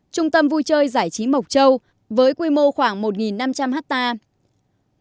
trung tâm vui chơi giải trí mộc châu với quy mô khoảng một năm trăm linh hectare